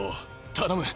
頼む。